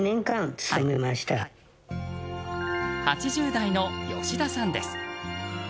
８０代の吉田さんです。